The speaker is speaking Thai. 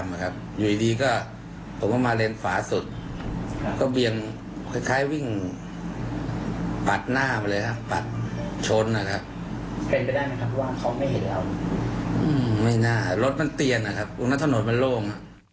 ไม่รถมันเตียนนะครับตรงนั้นถนนมันโล่ง